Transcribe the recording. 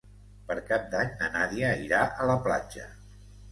Per Cap d'Any na Nàdia irà a la platja.